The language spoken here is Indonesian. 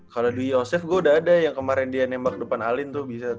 kalo dwi yosef gua udah ada yang kemarin dia nembak depan alin tuh bisa tuh